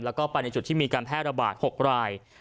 แล้วก็ไปในจุดที่มีการแพร่ระบาด๖ราย